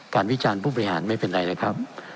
วิจารณ์ผู้บริหารไม่เป็นไรเลยครับ